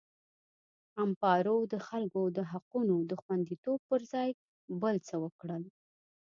امپارو د خلکو د حقونو د خوندیتوب پر ځای بل څه وکړل.